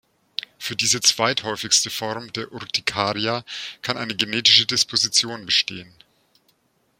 Für diese zweithäufigste Form der Urtikaria kann eine genetische Disposition bestehen.